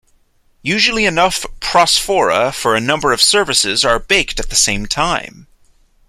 Usually enough prosphora for a number of services are baked at the same time.